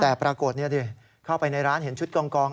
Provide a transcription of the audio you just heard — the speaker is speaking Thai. แต่ปรากฏเข้าไปในร้านเห็นชุดกอง